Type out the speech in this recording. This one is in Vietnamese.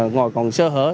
ngồi còn sơ hở